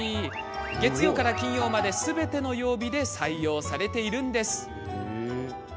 月曜から、金曜まですべての曜日で採用されています。